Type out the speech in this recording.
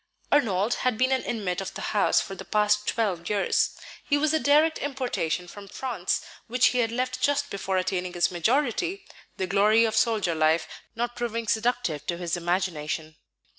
Arnold had been an inmate of the house for the past twelve years. He was a direct importation from France, which he had left just before attaining his majority, the glory of soldier life not proving seductive to his imagination.